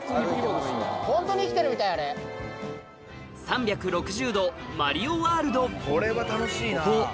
３６０度マリオワールド